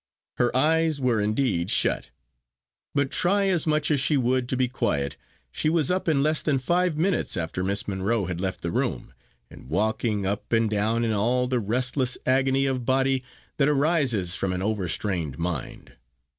Her eyes were, indeed, shut; but try as much as she would to be quiet, she was up in less than five minutes after Miss Monro had left the room, and walking up and down in all the restless agony of body that arises from an overstrained mind.